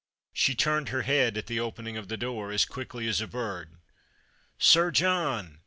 She turned her head at the opening of the door as quickly as a bird. " Sir John